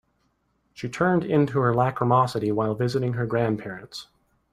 She turned into her lachrymosity while visiting her grandparents.